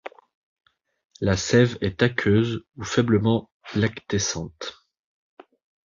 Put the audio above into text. La sève est aqueuse ou faiblement lactescente.